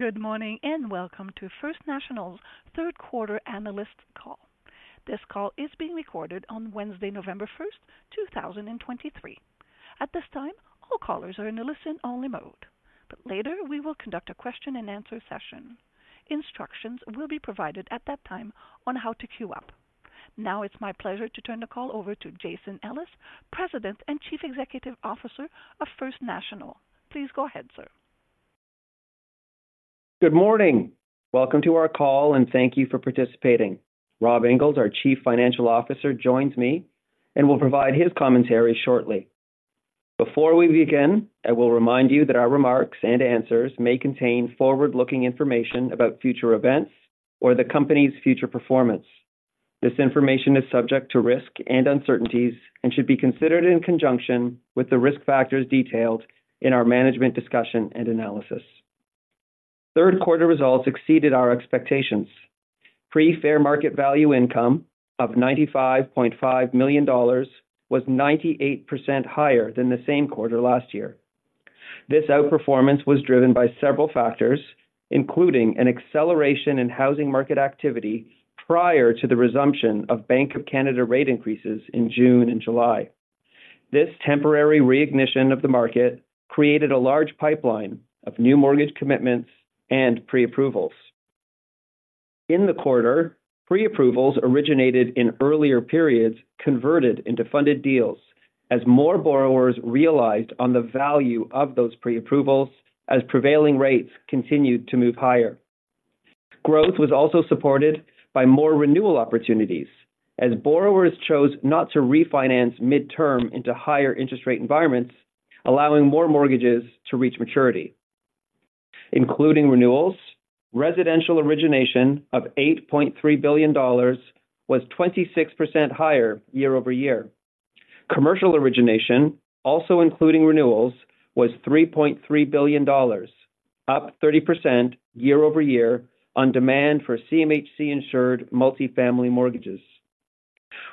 Good morning, and welcome to First National's third quarter analyst call. This call is being recorded on Wednesday, November 1st, 2023. At this time, all callers are in a listen-only mode, but later we will conduct a question-and-answer session. Instructions will be provided at that time on how to queue up. Now it's my pleasure to turn the call over to Jason Ellis, President and Chief Executive Officer of First National. Please go ahead, sir. Good morning. Welcome to our call, and thank you for participating. Robert Inglis, our Chief Financial Officer, joins me and will provide his commentary shortly. Before we begin, I will remind you that our remarks and answers may contain forward-looking information about future events or the Company's future performance. This information is subject to risk and uncertainties and should be considered in conjunction with the risk factors detailed in our Management Discussion and Analysis. Third quarter results exceeded our expectations. Pre-Fair Market Value Income of 95.5 million dollars was 98% higher than the same quarter last year. This outperformance was driven by several factors, including an acceleration in housing market activity prior to the resumption of Bank of Canada rate increases in June and July. This temporary re-ignition of the market created a large pipeline of new mortgage commitments and pre-approvals. In the quarter, pre-approvals originated in earlier periods converted into funded deals as more borrowers realized on the value of those pre-approvals as prevailing rates continued to move higher. Growth was also supported by more renewal opportunities as borrowers chose not to refinance midterm into higher interest rate environments, allowing more mortgages to reach maturity. Including renewals, residential origination of 8.3 billion dollars was 26% higher year-over-year. Commercial origination, also including renewals, was 3.3 billion dollars, up 30% year-over-year on demand for CMHC-insured multifamily mortgages.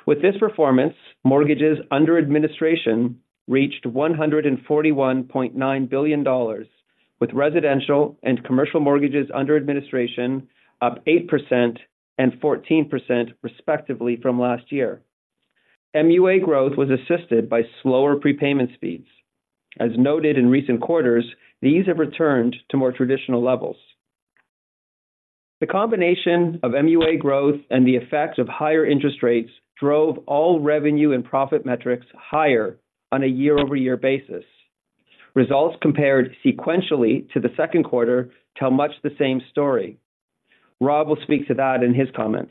With this performance, mortgages under administration reached 141.9 billion dollars, with residential and commercial mortgages under administration up 8% and 14% respectively from last year. MUA growth was assisted by slower prepayment speeds. As noted in recent quarters, these have returned to more traditional levels. The combination of MUA growth and the effect of higher interest rates drove all revenue and profit metrics higher on a year-over-year basis. Results compared sequentially to the second quarter tell much the same story. Rob will speak to that in his comments.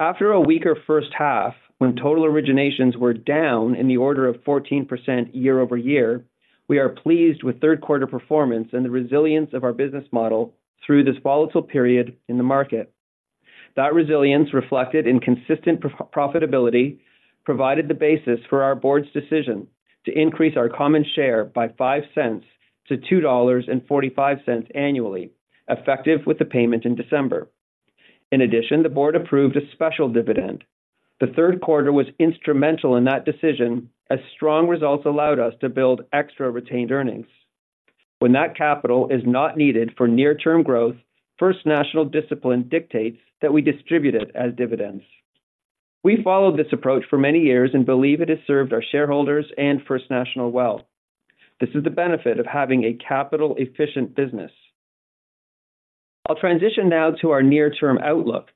After a weaker first half, when total originations were down in the order of 14% year-over-year, we are pleased with third quarter performance and the resilience of our business model through this volatile period in the market. That resilience, reflected in consistent profitability, provided the basis for our Board's decision to increase our common share by 0.05 to 2.45 dollars annually, effective with the payment in December. In addition, the Board approved a special dividend. The third quarter was instrumental in that decision, as strong results allowed us to build extra retained earnings. When that capital is not needed for near-term growth, First National discipline dictates that we distribute it as dividends. We followed this approach for many years and believe it has served our shareholders and First National well. This is the benefit of having a capital-efficient business. I'll transition now to our near-term outlook.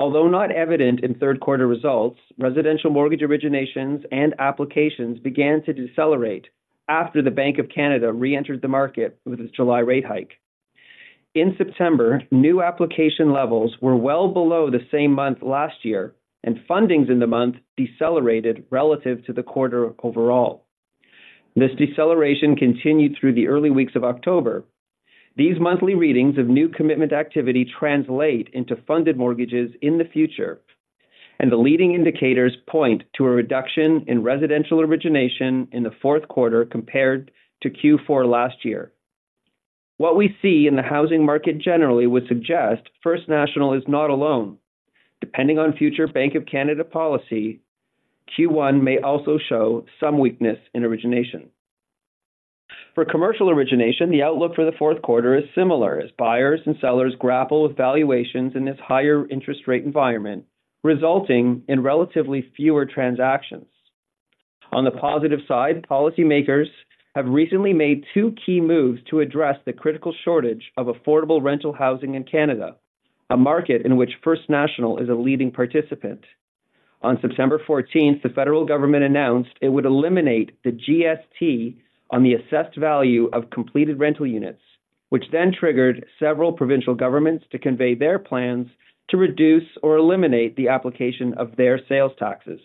Although not evident in third quarter results, residential mortgage originations and applications began to decelerate after the Bank of Canada reentered the market with its July rate hike. In September, new application levels were well below the same month last year, and fundings in the month decelerated relative to the quarter overall. This deceleration continued through the early weeks of October. These monthly readings of new commitment activity translate into funded mortgages in the future, and the leading indicators point to a reduction in residential origination in the fourth quarter compared to Q4 last year. What we see in the housing market generally would suggest First National is not alone. Depending on future Bank of Canada policy, Q1 may also show some weakness in origination. For commercial origination, the outlook for the fourth quarter is similar, as buyers and sellers grapple with valuations in this higher interest rate environment, resulting in relatively fewer transactions. On the positive side, policymakers have recently made two key moves to address the critical shortage of affordable rental housing in Canada, a market in which First National is a leading participant. On September 14th, the federal government announced it would eliminate the GST on the assessed value of completed rental units, which then triggered several provincial governments to convey their plans to reduce or eliminate the application of their sales taxes.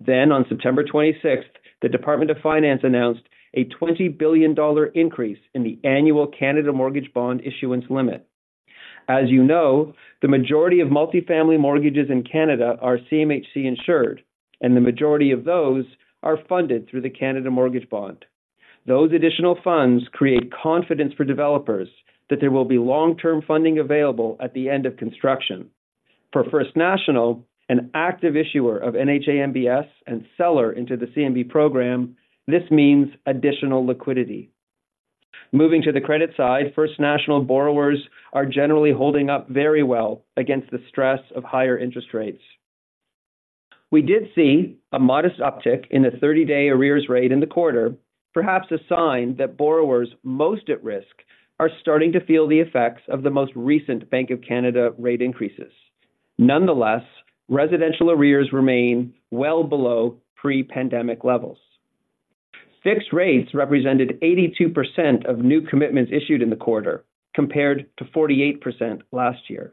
Then, on September 26th, the Department of Finance announced a 20 billion dollar increase in the annual Canada Mortgage Bond issuance limit. As you know, the majority of multifamily mortgages in Canada are CMHC insured, and the majority of those are funded through the Canada Mortgage Bond. Those additional funds create confidence for developers that there will be long-term funding available at the end of construction. For First National, an active issuer of NHA MBS and seller into the CMB program, this means additional liquidity. Moving to the credit side, First National borrowers are generally holding up very well against the stress of higher interest rates. We did see a modest uptick in the 30-day arrears rate in the quarter, perhaps a sign that borrowers most at risk are starting to feel the effects of the most recent Bank of Canada rate increases. Nonetheless, residential arrears remain well below pre-pandemic levels. Fixed rates represented 82% of new commitments issued in the quarter, compared to 48% last year.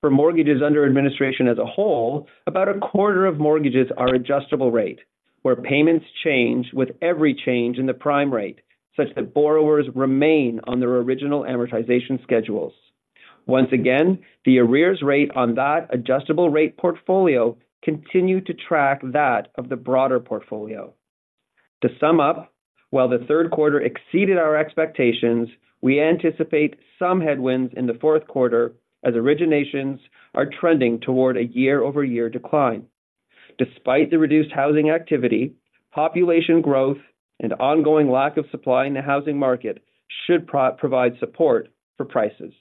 For mortgages under administration as a whole, about a quarter of mortgages are adjustable rate, where payments change with every change in the prime rate, such that borrowers remain on their original amortization schedules. Once again, the arrears rate on that adjustable rate portfolio continued to track that of the broader portfolio. To sum up, while the third quarter exceeded our expectations, we anticipate some headwinds in the fourth quarter as originations are trending toward a year-over-year decline. Despite the reduced housing activity, population growth and ongoing lack of supply in the housing market should provide support for prices.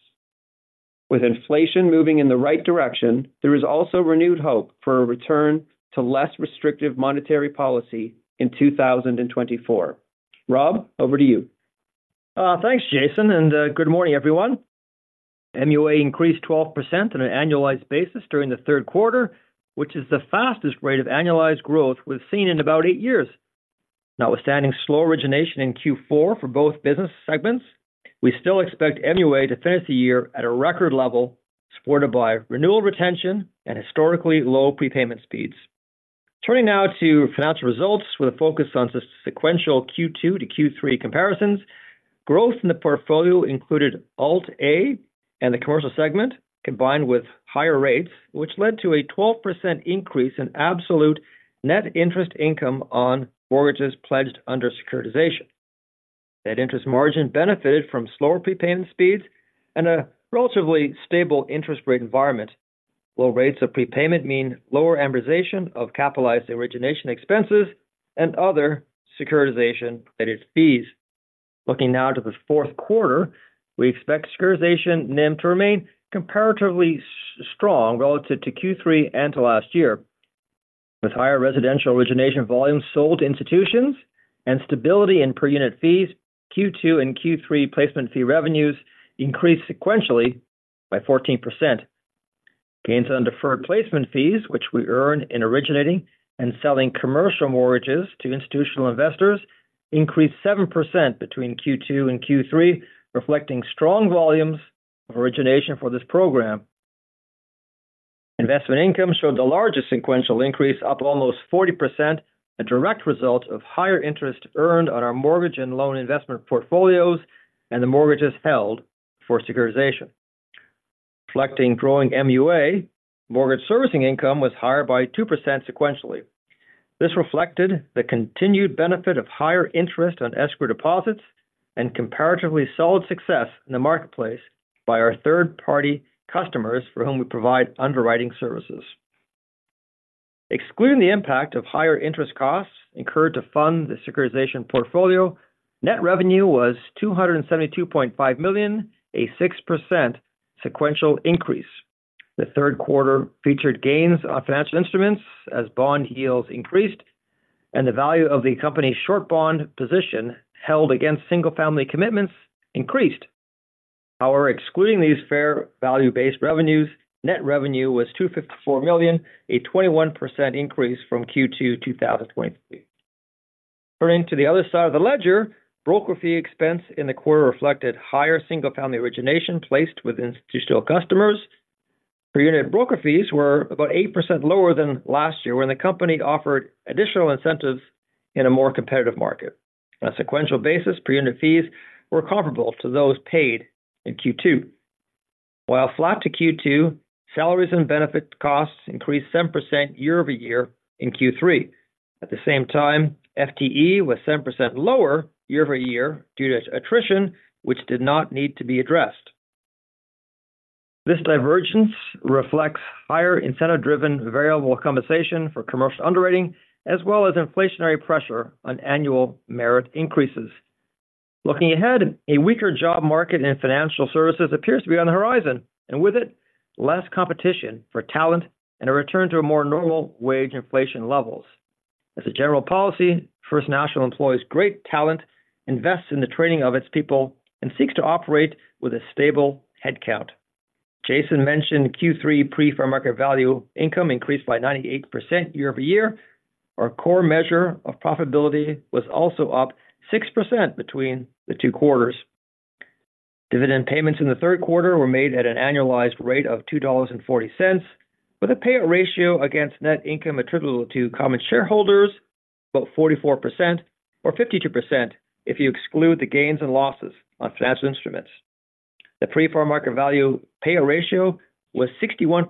With inflation moving in the right direction, there is also renewed hope for a return to less restrictive monetary policy in 2024. Rob, over to you. Thanks, Jason, and good morning, everyone. MUA increased 12% on an annualized basis during the third quarter, which is the fastest rate of annualized growth we've seen in about eight years. Notwithstanding slow origination in Q4 for both business segments, we still expect MUA to finish the year at a record level, supported by renewal retention and historically low prepayment speeds. Turning now to financial results with a focus on sequential Q2 to Q3 comparisons, growth in the portfolio included Alt-A and the commercial segment, combined with higher rates, which led to a 12% increase in absolute net interest income on mortgages pledged under securitization. Net interest margin benefited from slower prepayment speeds and a relatively stable interest rate environment. Low rates of prepayment mean lower amortization of capitalized origination expenses and other securitization related fees. Looking now to the fourth quarter, we expect securitization NIM to remain comparatively strong relative to Q3 and to last year. With higher residential origination volumes sold to institutions and stability in per unit fees, Q2 and Q3 placement fee revenues increased sequentially by 14%. Gains on deferred placement fees, which we earn in originating and selling commercial mortgages to institutional investors, increased 7% between Q2 and Q3, reflecting strong volumes of origination for this program. Investment income showed the largest sequential increase, up almost 40%, a direct result of higher interest earned on our mortgage and loan investment portfolios and the mortgages held for securitization. Reflecting growing MUA, mortgage servicing income was higher by 2% sequentially. This reflected the continued benefit of higher interest on escrow deposits and comparatively solid success in the marketplace by our third-party customers for whom we provide underwriting services. Excluding the impact of higher interest costs incurred to fund the securitization portfolio, net revenue was 272.5 million, a 6% sequential increase. The third quarter featured gains on financial instruments as bond yields increased, and the value of the company's short bond position held against single-family commitments increased. However, excluding these fair value-based revenues, net revenue was 254 million, a 21% increase from Q2 2023. Turning to the other side of the ledger, broker fee expense in the quarter reflected higher single-family origination placed with institutional customers. Per unit broker fees were about 8% lower than last year, when the company offered additional incentives in a more competitive market. On a sequential basis, per unit fees were comparable to those paid in Q2. While flat to Q2, salaries and benefit costs increased 7% year-over-year in Q3. At the same time, FTE was 7% lower year-over-year due to attrition, which did not need to be addressed. This divergence reflects higher incentive-driven variable compensation for commercial underwriting, as well as inflationary pressure on annual merit increases. Looking ahead, a weaker job market in financial services appears to be on the horizon, and with it, less competition for talent and a return to a more normal wage inflation levels. As a general policy, First National employs great talent, invests in the training of its people, and seeks to operate with a stable headcount. Jason mentioned Q3 Pre-Fair Market Value Income increased by 98% year-over-year. Our core measure of profitability was also up 6% between the two quarters. Dividend payments in the third quarter were made at an annualized rate of 2.40 dollars, with a payout ratio against net income attributable to common shareholders, about 44% or 52% if you exclude the gains and losses on financial instruments. The Pre-Fair Market Value payout ratio was 61%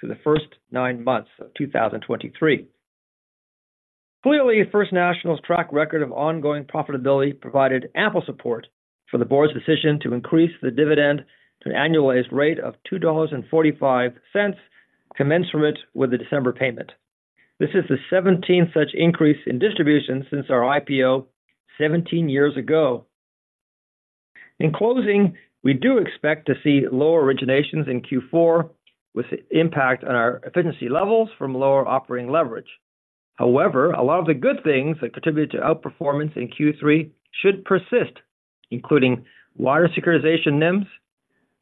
for the first nine months of 2023. Clearly, First National's track record of ongoing profitability provided ample support for the board's decision to increase the dividend to an annualized rate of 2.45 dollars, commensurate with the December payment. This is the seventeenth such increase in distribution since our IPO 17 years ago. In closing, we do expect to see lower originations in Q4, with impact on our efficiency levels from lower operating leverage. However, a lot of the good things that contributed to outperformance in Q3 should persist, including wider securitization NIMs,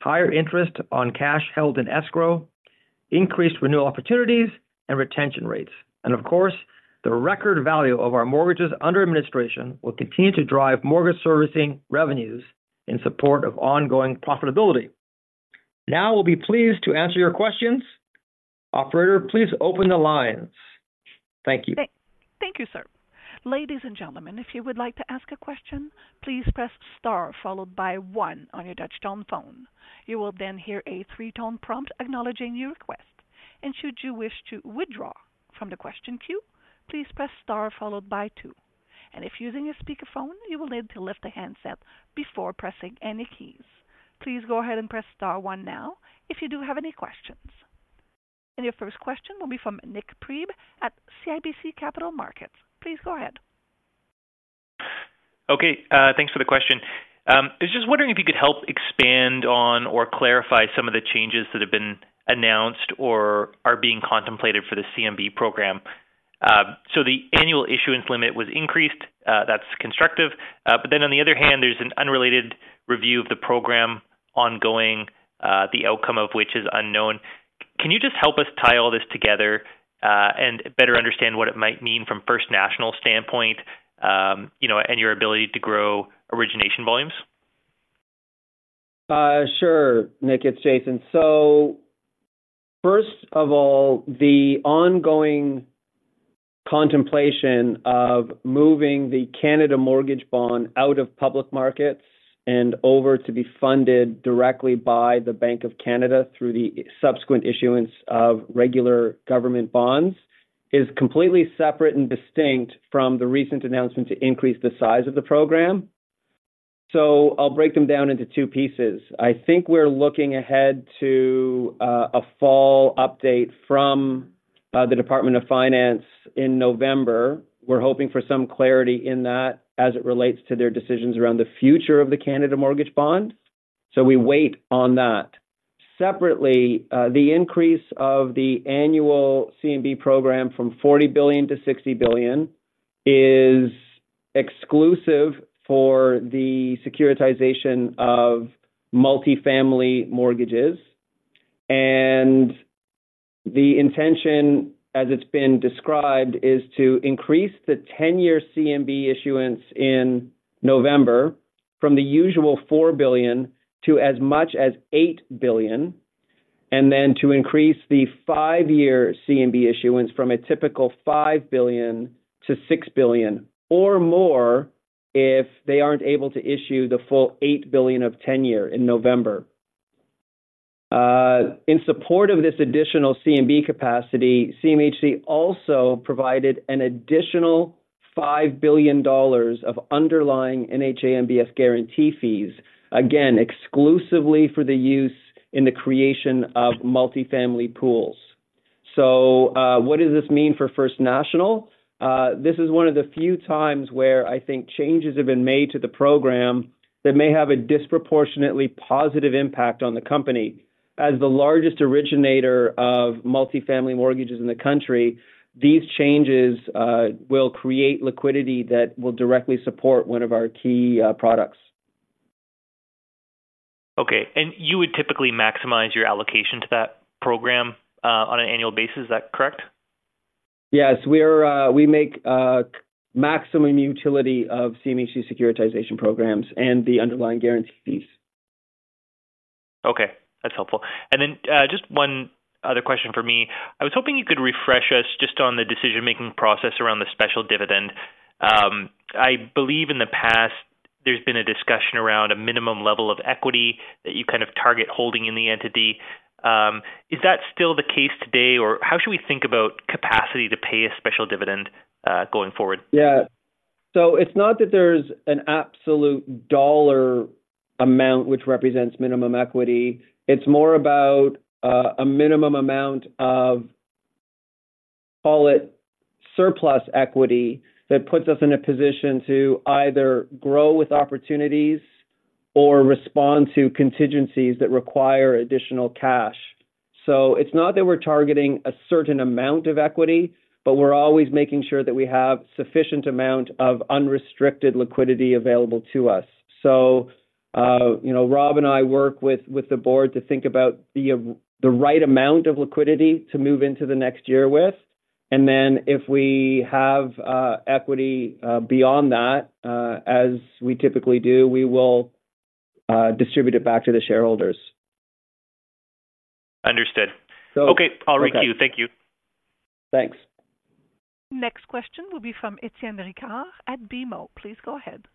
higher interest on cash held in escrow, increased renewal opportunities and retention rates. And of course, the record value of our mortgages under administration will continue to drive mortgage servicing revenues in support of ongoing profitability. Now we'll be pleased to answer your questions. Operator, please open the lines. Thank you. Thank you, sir. Ladies and gentlemen, if you would like to ask a question, please press star followed by one on your touchtone phone. You will then hear a three-tone prompt acknowledging your request, and should you wish to withdraw from the question queue, please press star followed by two. If using a speakerphone, you will need to lift the handset before pressing any keys. Please go ahead and press star one now if you do have any questions. Your first question will be from Nik Priebe at CIBC Capital Markets. Please go ahead. Okay, thanks for the question. I was just wondering if you could help expand on or clarify some of the changes that have been announced or are being contemplated for the CMB program. So the annual issuance limit was increased, that's constructive. But then, on the other hand, there's an unrelated review of the program ongoing, the outcome of which is unknown. Can you just help us tie all this together, and better understand what it might mean from First National's standpoint, you know, and your ability to grow origination volumes? Sure, Nik, it's Jason. So first of all, the ongoing contemplation of moving the Canada Mortgage Bond out of public markets and over to be funded directly by the Bank of Canada through the subsequent issuance of regular government bonds is completely separate and distinct from the recent announcement to increase the size of the program. So I'll break them down into two pieces. I think we're looking ahead to a fall update from the Department of Finance in November. We're hoping for some clarity in that as it relates to their decisions around the future of the Canada Mortgage Bond. So we wait on that. Separately, the increase of the annual CMB program from 40 billion-60 billion is exclusive for the securitization of multifamily mortgages. The intention, as it's been described, is to increase the 10 year CMB issuance in November from the usual 4 billion to as much as 8 billion, and then to increase the five-year CMB issuance from a typical 5 billion to 6 billion or more if they aren't able to issue the full 8 billion of 10 year in November. In support of this additional CMB capacity, CMHC also provided an additional 5 billion dollars of underlying NHA MBS guarantee fees, again, exclusively for the use in the creation of multifamily pools. So, what does this mean for First National? This is one of the few times where I think changes have been made to the program that may have a disproportionately positive impact on the company. As the largest originator of multifamily mortgages in the country, these changes will create liquidity that will directly support one of our key products. Okay. And you would typically maximize your allocation to that program, on an annual basis. Is that correct? Yes. We make maximum utility of CMHC securitization programs and the underlying guarantee fees. Okay. That's helpful. And then, just one other question for me. I was hoping you could refresh us just on the decision-making process around the special dividend. I believe in the past there's been a discussion around a minimum level of equity that you kind of target holding in the entity. Is that still the case today, or how should we think about capacity to pay a special dividend, going forward? Yeah. So it's not that there's an absolute dollar amount which represents minimum equity. It's more about a minimum amount of, call it surplus equity, that puts us in a position to either grow with opportunities or respond to contingencies that require additional cash. So it's not that we're targeting a certain amount of equity, but we're always making sure that we have sufficient amount of unrestricted liquidity available to us. So, you know, Rob and I work with the board to think about the right amount of liquidity to move into the next year with. And then if we have equity beyond that, as we typically do, we will distribute it back to the shareholders. Understood. So. Okay. I'll queue. Thank you. Thanks. Next question will be from Etienne Ricard at BMO. Please go ahead.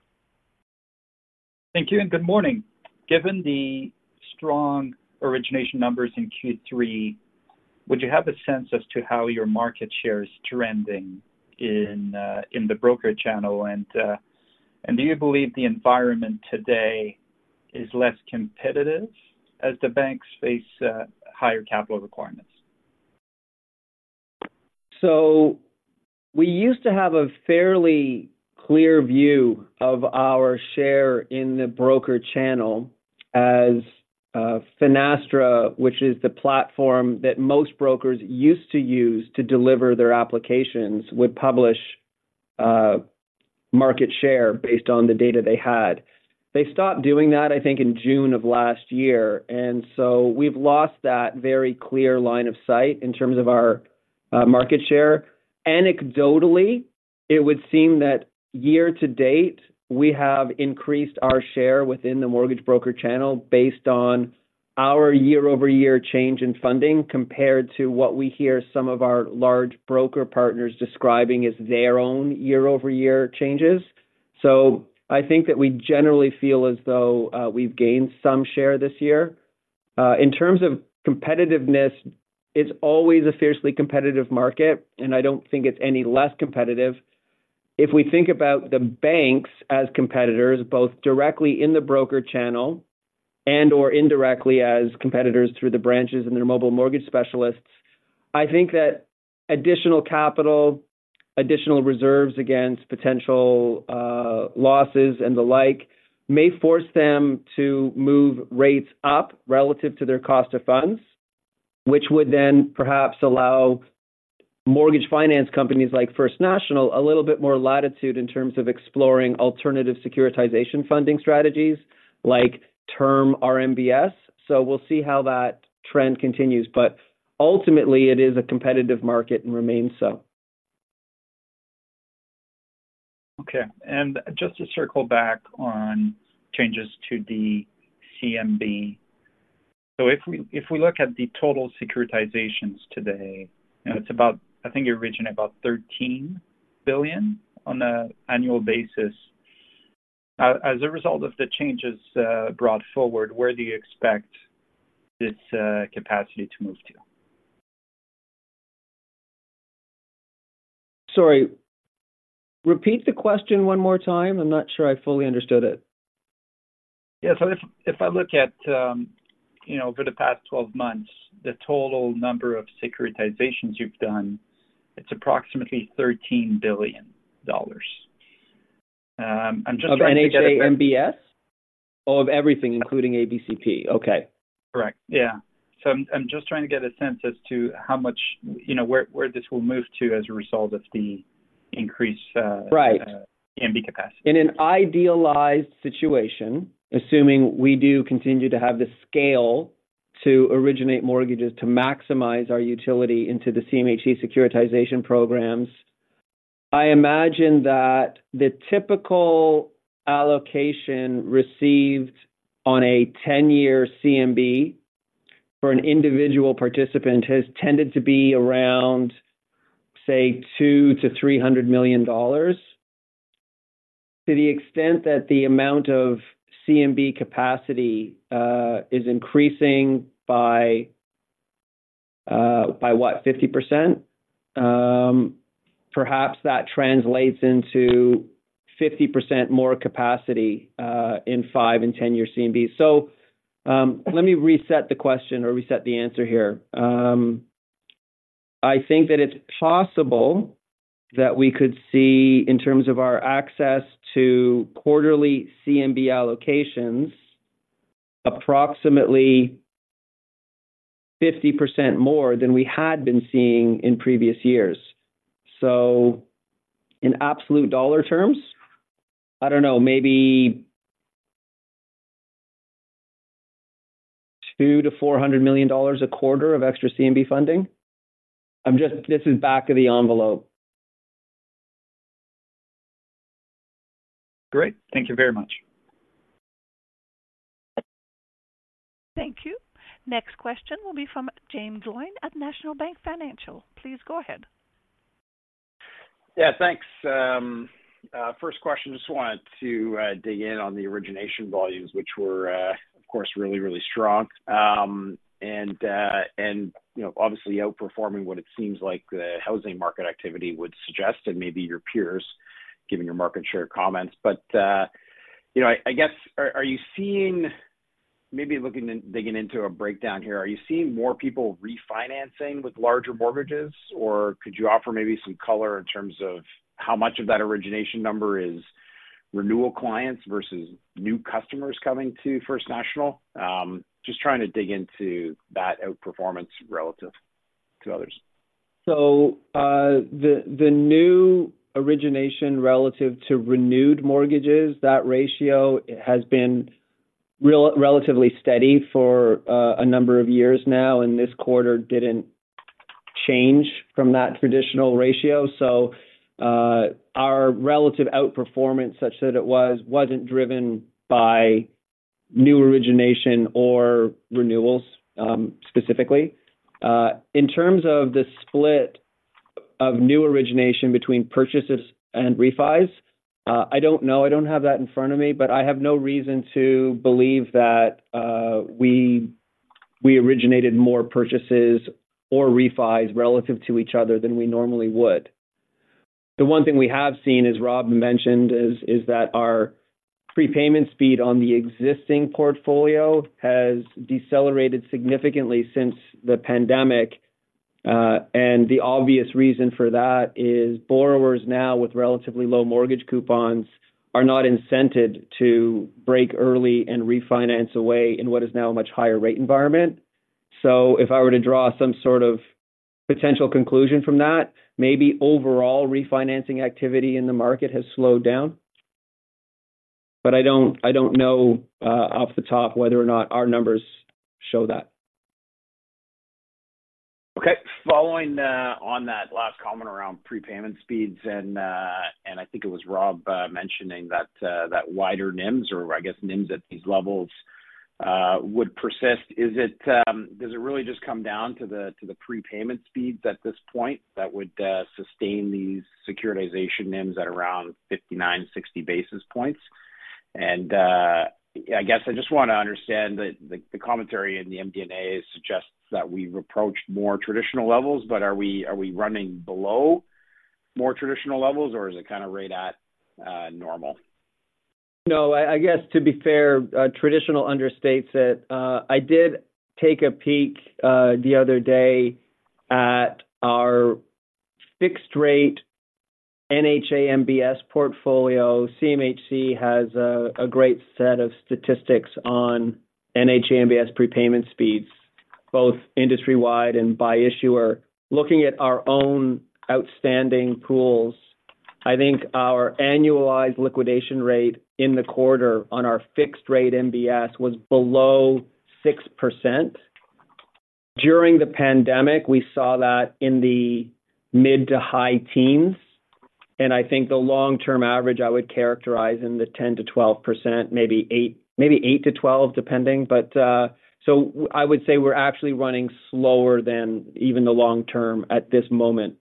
Thank you and good morning. Given the strong origination numbers in Q3, would you have a sense as to how your market share is trending in the broker channel? And do you believe the environment today is less competitive as the banks face higher capital requirements? So we used to have a fairly clear view of our share in the broker channel as, Finastra, which is the platform that most brokers used to use to deliver their applications, would publish market share based on the data they had. They stopped doing that, I think, in June of last year, and so we've lost that very clear line of sight in terms of our market share. Anecdotally, it would seem that year to date, we have increased our share within the mortgage broker channel based on our year-over-year change in funding, compared to what we hear some of our large broker partners describing as their own year-over-year changes. So I think that we generally feel as though, we've gained some share this year. In terms of competitiveness, it's always a fiercely competitive market, and I don't think it's any less competitive. If we think about the banks as competitors, both directly in the broker channel and/or indirectly as competitors through the branches and their mobile mortgage specialists, I think that additional capital, additional reserves against potential, losses and the like, may force them to move rates up relative to their cost of funds. Which would then perhaps allow mortgage finance companies like First National, a little bit more latitude in terms of exploring alternative securitization funding strategies like term RMBS. So we'll see how that trend continues, but ultimately it is a competitive market and remains so. Okay, and just to circle back on changes to the CMB. So if we, if we look at the total securitizations today, you know, it's about, I think, you're originating about 13 billion on an annual basis. As a result of the changes brought forward, where do you expect this capacity to move to? Sorry, repeat the question one more time. I'm not sure I fully understood it. Yes. So if I look at, you know, over the past twelve months, the total number of securitizations you've done, it's approximately 13 billion dollars. I'm just trying to. Of NHA MBS? Or of everything, including ABCP. Okay. Correct. Yeah. So I'm just trying to get a sense as to how much, you know, where this will move to as a result of the increased, Right. CMB capacity. In an idealized situation, assuming we do continue to have the scale to originate mortgages to maximize our utility into the CMHC securitization programs, I imagine that the typical allocation received on a 10-year CMB for an individual participant has tended to be around, say, 200 million-300 million dollars. To the extent that the amount of CMB capacity is increasing by what? 50%. Perhaps that translates into 50% more capacity in 5 and 10-year CMB. So, let me reset the question or reset the answer here. I think that it's possible that we could see, in terms of our access to quarterly CMB allocations, approximately 50% more than we had been seeing in previous years. So in absolute dollar terms, I don't know, maybe 200 million-400 million dollars a quarter of extra CMB funding. I'm just. this is back of the envelope. Great. Thank you very much. Thank you. Next question will be from Jaeme Gloyn at National Bank Financial. Please go ahead. Yeah, thanks. First question, just wanted to dig in on the origination volumes, which were, of course, really, really strong. And you know, obviously outperforming what it seems like the housing market activity would suggest, and maybe your peers, given your market share comments. But you know, I guess, are you seeing maybe looking and digging into a breakdown here, are you seeing more people refinancing with larger mortgages? Or could you offer maybe some color in terms of how much of that origination number is renewal clients versus new customers coming to First National? Just trying to dig into that outperformance relative to others. So, the new origination relative to renewed mortgages, that ratio has been relatively steady for a number of years now, and this quarter didn't change from that traditional ratio. So, our relative outperformance, such that it was, wasn't driven by new origination or renewals, specifically. In terms of the split of new origination between purchases and refis? I don't know. I don't have that in front of me, but I have no reason to believe that we originated more purchases or refis relative to each other than we normally would. The one thing we have seen, as Rob mentioned, is that our prepayment speed on the existing portfolio has decelerated significantly since the pandemic. And the obvious reason for that is borrowers now with relatively low mortgage coupons, are not incented to break early and refinance away in what is now a much higher rate environment. So if I were to draw some sort of potential conclusion from that, maybe overall refinancing activity in the market has slowed down. But I don't, I don't know, off the top whether or not our numbers show that. Okay. Following on that last comment around prepayment speeds, and I think it was Rob mentioning that wider NIMs or I guess NIMs at these levels would persist. Is it, does it really just come down to the prepayment speeds at this point that would sustain these securitization NIMs at around 59, 60 basis points? And I guess I just want to understand the commentary in the MD&A suggests that we've approached more traditional levels, but are we running below more traditional levels, or is it kind of right at normal? No, I, I guess to be fair, traditional understates it. I did take a peek, the other day at our fixed-rate NHA MBS portfolio. CMHC has a, a great set of statistics on NHA MBS prepayment speeds, both industry-wide and by issuer. Looking at our own outstanding pools, I think our annualized liquidation rate in the quarter on our fixed-rate MBS was below 6%. During the pandemic, we saw that in the mid- to high 10%, and I think the long-term average, I would characterize in the 10%-12%, maybe eight to twelve, depending. But, so I would say we're actually running slower than even the long-term at this moment.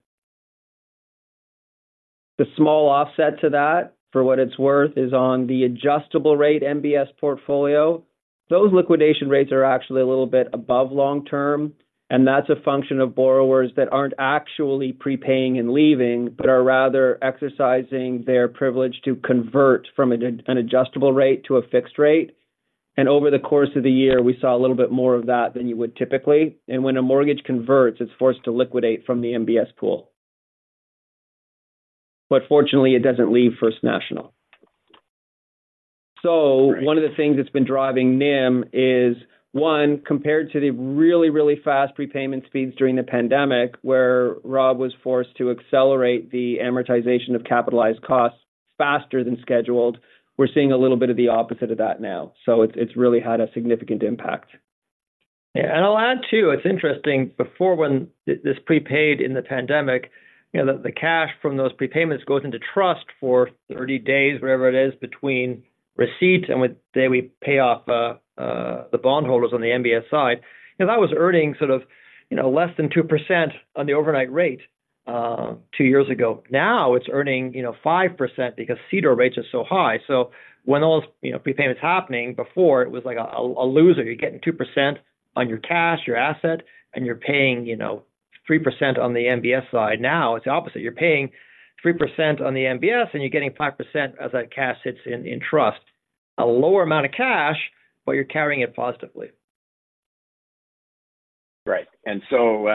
The small offset to that, for what it's worth, is on the adjustable-rate MBS portfolio. Those liquidation rates are actually a little bit above long-term, and that's a function of borrowers that aren't actually prepaying and leaving, but are rather exercising their privilege to convert from an adjustable rate to a fixed rate. And over the course of the year, we saw a little bit more of that than you would typically. And when a mortgage converts, it's forced to liquidate from the MBS pool. But fortunately, it doesn't leave First National. Right. So one of the things that's been driving NIM is, one, compared to the really, really fast prepayment speeds during the pandemic, where Rob was forced to accelerate the amortization of capitalized costs faster than scheduled, we're seeing a little bit of the opposite of that now. So it's really had a significant impact. Yeah, and I'll add, too, it's interesting, before, when this prepaid in the pandemic, you know, the cash from those prepayments goes into trust for 30 days, wherever it is, between receipt and the day we pay off the bondholders on the MBS side. If I was earning sort of, you know, less than 2% on the overnight rate two years ago, now it's earning, you know, 5% because CDOR rates are so high. So when those, you know, prepayments happening before, it was like a loser. You're getting 2% on your cash, your asset, and you're paying, you know, 3% on the MBS side. Now, it's the opposite. You're paying 3% on the MBS, and you're getting 5% as that cash sits in trust. A lower amount of cash, but you're carrying it positively. Right. And so,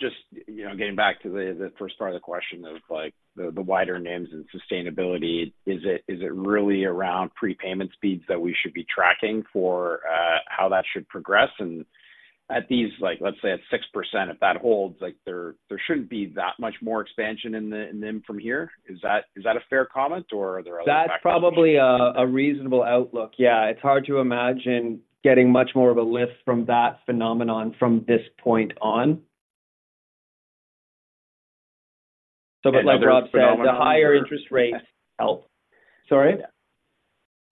just, you know, getting back to the first part of the question of like, the wider NIMs and sustainability. Is it really around prepayment speeds that we should be tracking for how that should progress? And at these like, let's say at 6%, if that holds, like there shouldn't be that much more expansion in NIM from here. Is that a fair comment or are there other factors? That's probably a reasonable outlook. Yeah, it's hard to imagine getting much more of a lift from that phenomenon from this point on. So but like Rob said, the higher interest rates help. Sorry?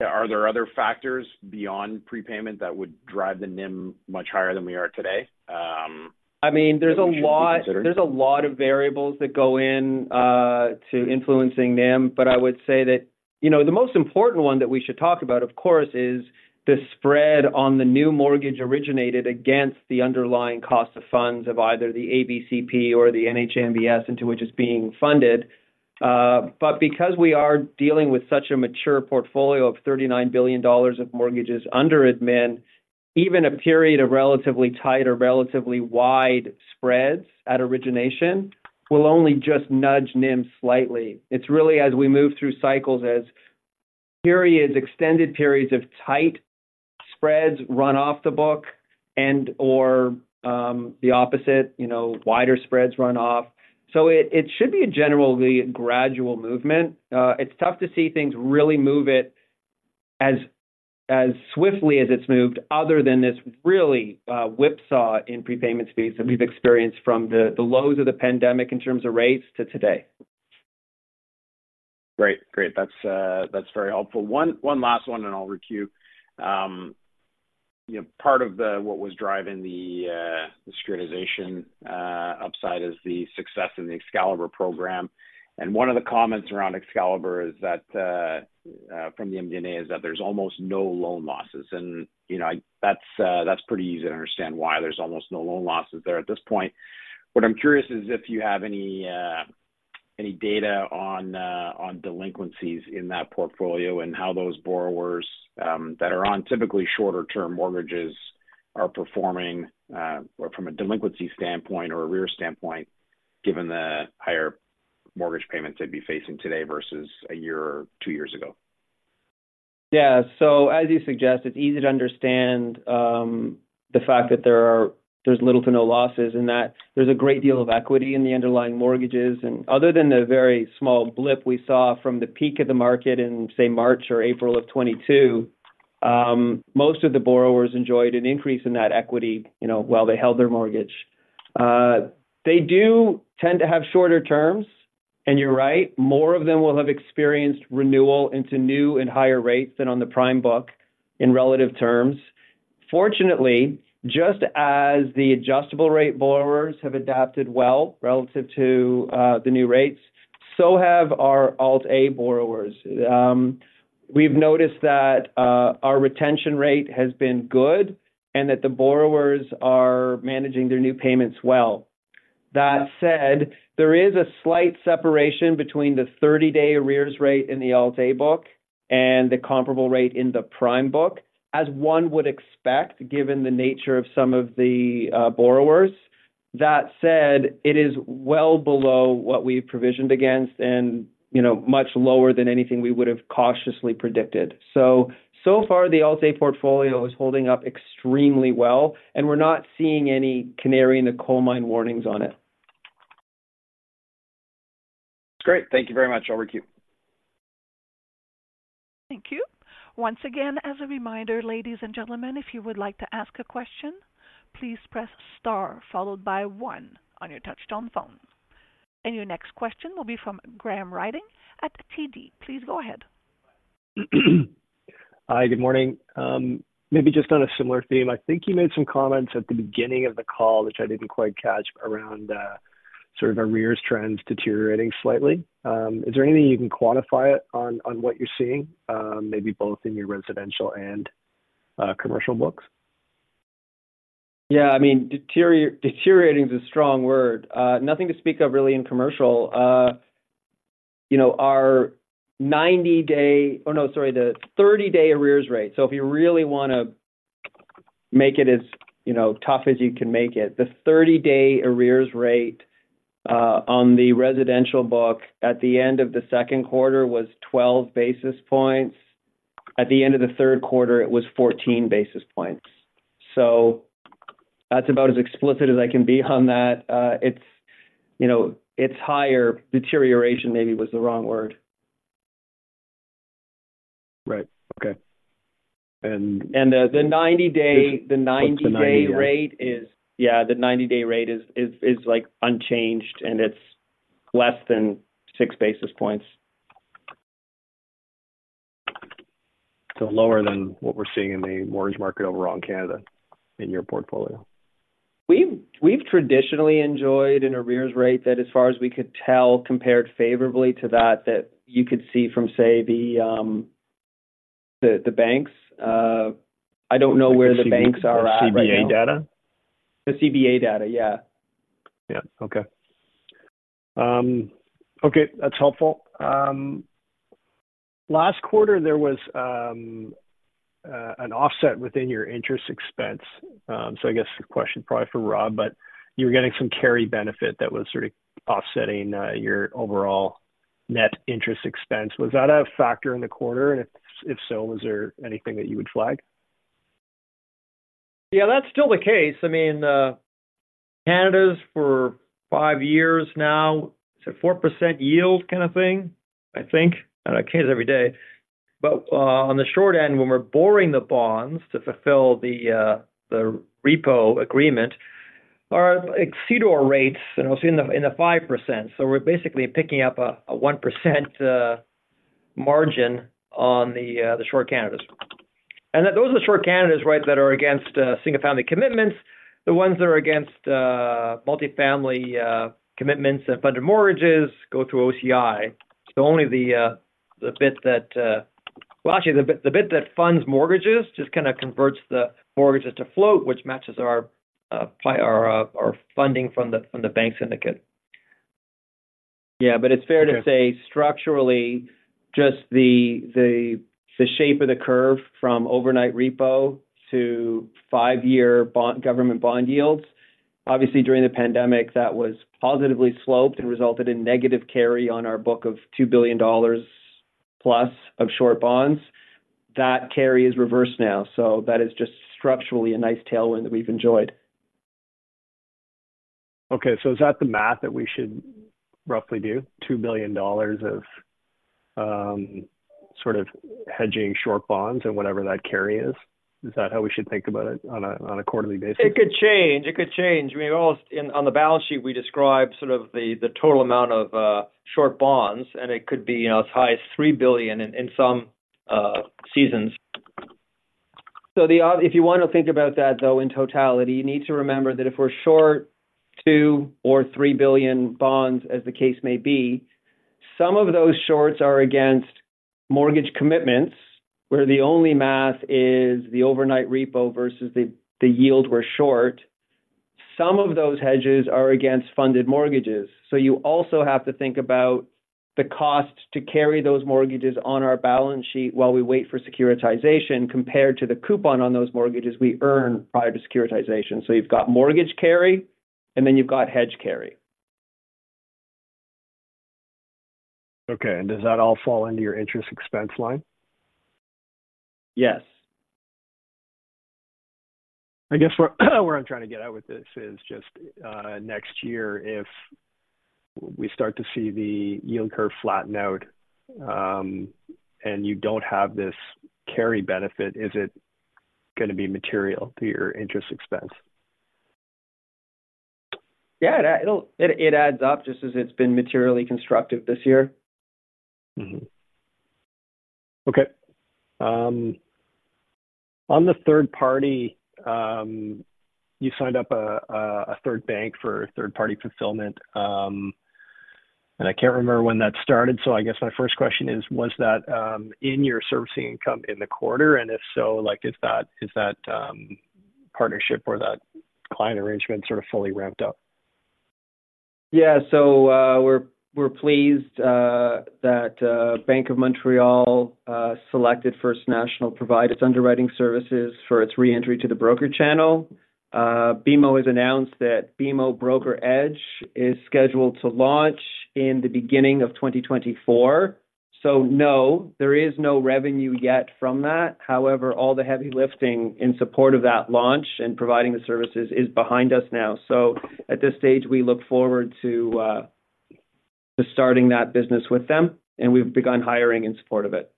Are there other factors beyond prepayment that would drive the NIM much higher than we are today? I mean, there's a lot. Consider. There's a lot of variables that go in, to influencing NIM. But I would say that, you know, the most important one that we should talk about, of course, is the spread on the new mortgage originated against the underlying cost of funds of either the ABCP or the NHA MBS into which it's being funded. But because we are dealing with such a mature portfolio of 39 billion dollars of mortgages under admin, even a period of relatively tight or relatively wide spreads at origination, will only just nudge NIM slightly. It's really as we move through cycles, as periods-- extended periods of tight spreads run off the book and or, the opposite, you know, wider spreads run off. So it, it should be a generally gradual movement. It's tough to see things really move it as swiftly as it's moved other than this really whipsaw in prepayment speeds that we've experienced from the lows of the pandemic in terms of rates to today. Great, great. That's, that's very helpful. One last one, and I'll queue. You know, part of the-- what was driving the, the securitization, upside is the success in the Excalibur program. And one of the comments around Excalibur is that, from the MD&A is that there's almost no loan losses. And, you know, that's, that's pretty easy to understand why there's almost no loan losses there at this point. What I'm curious is if you have any data on delinquencies in that portfolio and how those borrowers, that are on typically shorter-term mortgages are performing, or from a delinquency standpoint or an arrears standpoint, given the higher mortgage payments they'd be facing today versus a year or two years ago. Yeah. So as you suggest, it's easy to understand the fact that there's little to no losses, and that there's a great deal of equity in the underlying mortgages. And other than the very small blip we saw from the peak of the market in, say, March or April of 2022, most of the borrowers enjoyed an increase in that equity, you know, while they held their mortgage. They do tend to have shorter terms, and you're right, more of them will have experienced renewal into new and higher rates than on the prime book in relative terms. Fortunately, just as the adjustable rate borrowers have adapted well relative to the new rates, so have our Alt-A borrowers. We've noticed that our retention rate has been good and that the borrowers are managing their new payments well. That said, there is a slight separation between the 30-day arrears rate in the Alt-A book and the comparable rate in the prime book, as one would expect, given the nature of some of the borrowers. That said, it is well below what we've provisioned against and, you know, much lower than anything we would have cautiously predicted. So, so far, the Alt-A portfolio is holding up extremely well, and we're not seeing any canary in the coal mine warnings on it. Great. Thank you very much. I'll queue. Thank you. Once again, as a reminder, ladies and gentlemen, if you would like to ask a question, please press star followed by one on your touchtone phone. Your next question will be from Graham Ryding at TD. Please go ahead. Hi, good morning. Maybe just on a similar theme, I think you made some comments at the beginning of the call, which I didn't quite catch, around, sort of arrears trends deteriorating slightly. Is there anything you can quantify it on, on what you're seeing, maybe both in your residential and, commercial books? Yeah, I mean, deteriorating is a strong word. Nothing to speak of really in commercial. You know, the 30-day arrears rate. So if you really wanna make it as, you know, tough as you can make it, the 30-day arrears rate on the residential book at the end of the second quarter was 12 basis points. At the end of the third quarter, it was 14 basis points. So that's about as explicit as I can be on that. It's, you know, it's higher. Deterioration maybe was the wrong word. Right. Okay. And. The 90-day rate is. What's the 90-day? Yeah, the 90-day rate is like unchanged, and it's less than 6 basis points. So lower than what we're seeing in the mortgage market overall in Canada, in your portfolio? We've traditionally enjoyed an arrears rate that, as far as we could tell, compared favorably to that you could see from, say, the banks. I don't know where the banks are at right now. The CBA data? The CBA data, yeah. Yeah. Okay. Okay, that's helpful. Last quarter, there was an offset within your interest expense. So I guess the question is probably for Rob, but you were getting some carry benefit that was sort of offsetting your overall net interest expense. Was that a factor in the quarter? And if so, was there anything that you would flag? Yeah, that's still the case. I mean, Canadas for five years now, it's a 4% yield kind of thing, I think. I don't know, it changes every day. But, on the short end, when we're borrowing the bonds to fulfill the repo agreement, that exceed our rates, you know, it's in the 5%. So we're basically picking up a 1% margin on the short Canada. And those are the short Canadas, right, that are against single-family commitments, the ones that are against multi-family commitments and funded mortgages go through OCI. So only the bit that. Well, actually, the bit that funds mortgages just kinda converts the mortgages to float, which matches our funding from the bank syndicate. Yeah, but it's fair to say structurally, just the shape of the curve from overnight repo to five-year government bond yields. Obviously, during the pandemic, that was positively sloped and resulted in negative carry on our book of 2 billion dollars plus of short bonds. That carry is reversed now, so that is just structurally a nice tailwind that we've enjoyed. Okay. So is that the math that we should roughly do? 2 billion dollars of sort of hedging short bonds and whatever that carry is. Is that how we should think about it on a quarterly basis? It could change. It could change. I mean, almost in, on the balance sheet, we describe sort of the total amount of short bonds, and it could be, you know, as high as 3 billion in some seasons. So if you want to think about that, though, in totality, you need to remember that if we're short 2 billion or 3 billion bonds, as the case may be, some of those shorts are against mortgage commitments, where the only math is the overnight repo versus the yield we're short. Some of those hedges are against funded mortgages. So you also have to think about the cost to carry those mortgages on our balance sheet while we wait for securitization, compared to the coupon on those mortgages we earn prior to securitization. So you've got mortgage carry, and then you've got hedge carry. Okay. Does that all fall under your interest expense line? Yes. I guess where, where I'm trying to get at with this is just, next year, if we start to see the yield curve flatten out, and you don't have this carry benefit, is it going to be material to your interest expense? Yeah, that it'll add up, just as it's been materially constructive this year. Mm-hmm. Okay. On the third party, you signed up a third bank for third-party fulfillment, and I can't remember when that started. So I guess my first question is: Was that in your servicing income in the quarter? And if so, like, is that partnership or that client arrangement sort of fully ramped up? Yeah. So, we're pleased that Bank of Montreal selected First National to provide its underwriting services for its re-entry to the broker channel. BMO has announced that BMO BrokerEdge is scheduled to launch in the beginning of 2024. So no, there is no revenue yet from that. However, all the heavy lifting in support of that launch and providing the services is behind us now. So at this stage, we look forward to starting that business with them, and we've begun hiring in support of it.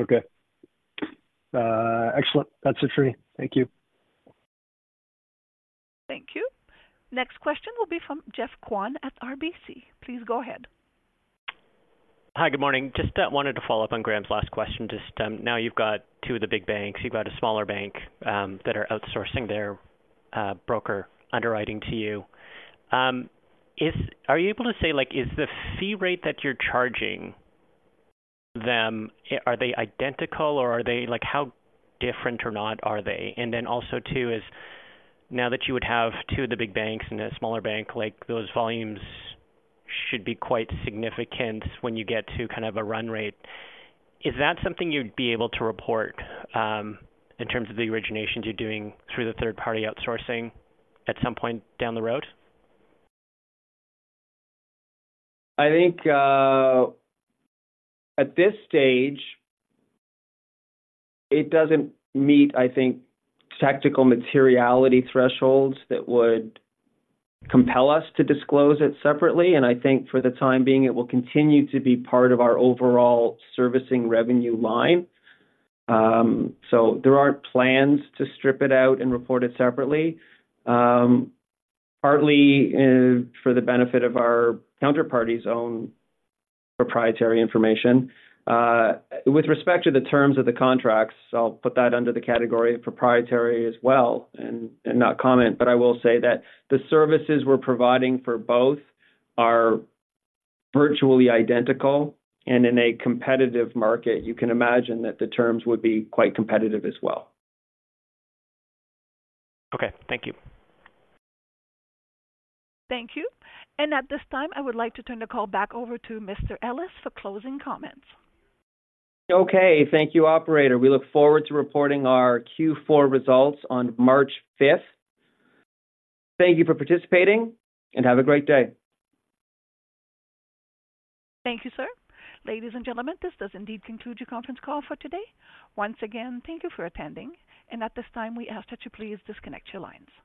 Okay. Excellent. That's it for me. Thank you. Thank you. Next question will be from Geoff Kwan at RBC. Please go ahead. Hi, good morning. Just wanted to follow-up on Graham's last question. Just now you've got two of the big banks, you've got a smaller bank that are outsourcing their broker underwriting to you. Is. Are you able to say, like, is the fee rate that you're charging them, are they identical or are they like how different or not are they? And then also, too, is now that you would have two of the big banks and a smaller bank, like, those volumes should be quite significant when you get to kind of a run rate. Is that something you'd be able to report in terms of the originations you're doing through the third-party outsourcing at some point down the road? I think, at this stage, it doesn't meet, I think, tactical materiality thresholds that would compel us to disclose it separately, and I think for the time being, it will continue to be part of our overall servicing revenue line. So there aren't plans to strip it out and report it separately, partly, for the benefit of our counterparty's own proprietary information. With respect to the terms of the contracts, I'll put that under the category of proprietary as well and not comment. But I will say that the services we're providing for both are virtually identical, and in a competitive market, you can imagine that the terms would be quite competitive as well. Okay, thank you. Thank you. At this time, I would like to turn the call back over to Mr. Ellis for closing comments. Okay. Thank you, operator. We look forward to reporting our Q4 results on March 5th. Thank you for participating, and have a great day. Thank you, sir. Ladies and gentlemen, this does indeed conclude your conference call for today. Once again, thank you for attending, and at this time, we ask that you please disconnect your lines.